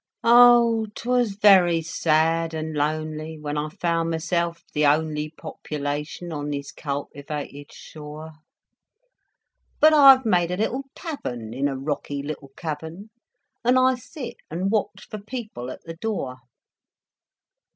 Oh I 'twas very sad and lonely When I found myself the only Population on this cultivated shore; But I've made a little tavern In a rocky little cavern. And I sit and watch for people at the door.